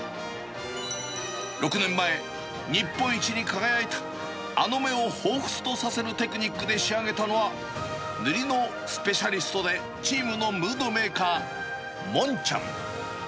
６年前、日本一に輝いた、あの目をほうふつとさせるテクニックで仕上げたのは、塗りのスペシャリストでチームのムードメーカー、モンちゃん。